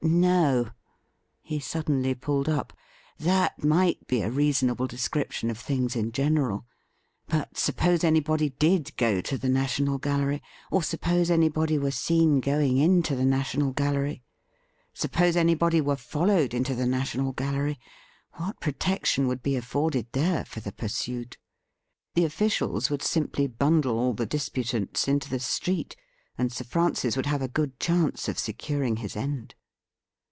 No — ^he suddenly pulled up — that might be a reasonable description of things in general ; but suppose anybody did go to the National Gallery, or suppose anybody were seen going into the National Gallery — suppose anybody were followed into the National Gallery — what protection would be afforded there for the pursued.? The officials would simply bimdle all the disputants into the street, and Sir Francis would have a good chance of securing his end.